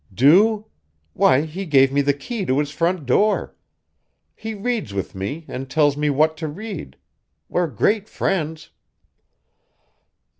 "Do? Why, he gave me the key to his front door. He reads with me and tells me what to read. We're great friends!"